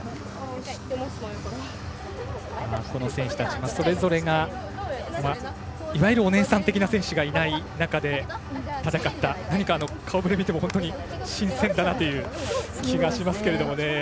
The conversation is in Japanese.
この選手たち、それぞれがいわゆるお姉さん的な選手がいない中で戦った、何か顔ぶれを見ても新鮮だなという気がしますが。